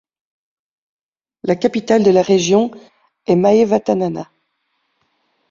La capitale de la région est Maevatanana.